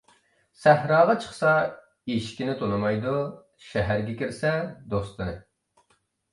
سەھراغا چىقسا ئېشىكىنى تونۇمايدۇ، شەھەرگە كىرسە دوستىنى.